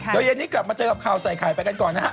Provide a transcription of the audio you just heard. เดี๋ยวเย็นนี้กลับมาเจอกับข่าวใส่ไข่ไปกันก่อนนะฮะ